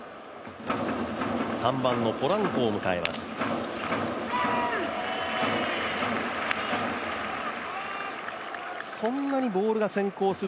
３番のポランコを迎えます。